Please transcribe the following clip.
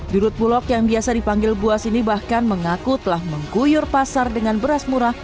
dirut bulog yang biasa dipanggil buas ini bahkan mengaku telah mengguyur pasar dengan beras murah